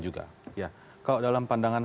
juga kalau dalam pandangan